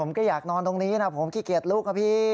ก็อยากนอนตรงนี้นะผมขี้เกียจลูกนะพี่